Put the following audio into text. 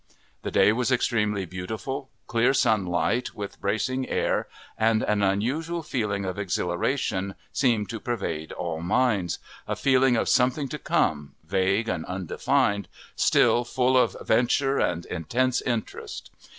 The day was extremely beautiful, clear sunlight, with bracing air, and an unusual feeling of exhilaration seemed to pervade all minds a feeling of something to come, vague and undefined, still full of venture and intense interest.